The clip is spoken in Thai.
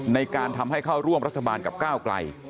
ในการทำให้เข้าร่วมรัฐบาลกับก้าวไกล